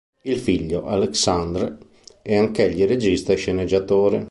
Il figlio, Alexandre, è anch'egli regista e sceneggiatore.